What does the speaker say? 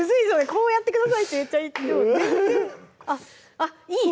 こうやってくださいって言ってあっいい